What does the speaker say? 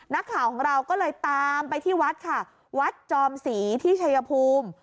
นักข่าวของเราก็เลยตามไปที่วัดค่ะวัดจอมศรีที่ชัยภูมิ